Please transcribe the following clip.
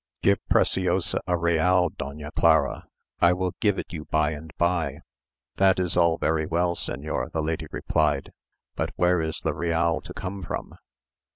Give Preciosa a real, Doña Clara; I will give it you by and by." "That is all very well, señor," the lady replied; "but where is the real to come from?